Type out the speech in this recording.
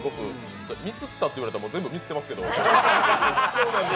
ミスったって言われても全部ミスってますけど。